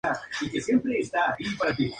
Habita en la cuenca del Amazonas.